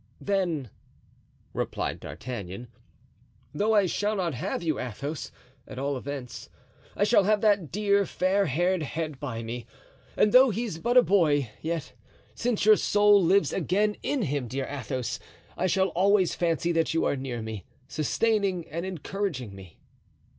"Then," replied D'Artagnan, "though I shall not have you, Athos, at all events I shall have that dear fair haired head by me; and though he's but a boy, yet, since your soul lives again in him, dear Athos, I shall always fancy that you are near me, sustaining and encouraging me."